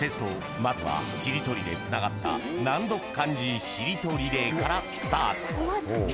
まずはしりとりでつながった難読漢字しりとリレーからスタート］